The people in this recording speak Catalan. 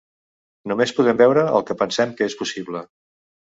Només podem veure el que pensem que és possible.